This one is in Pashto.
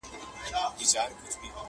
څاڅکی یم په موج کي فنا کېږم ته به نه ژاړې؛